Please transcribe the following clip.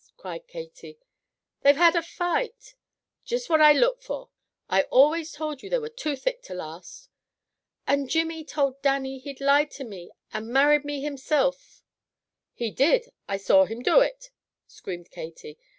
cried Katy. "They've had a fight " "Just what I looked for! I always told you they were too thick to last!" "And Jimmy told Dannie he'd lied to me and married me himsilf " "He did! I saw him do it!" screamed Katy.